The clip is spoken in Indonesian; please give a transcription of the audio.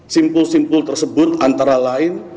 simpul simpul tersebut antara lain